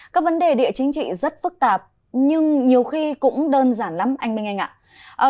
các vấn đề địa chính trị rất phức tạp nhưng nhiều khi cũng đơn giản lắm anh minh anh ạ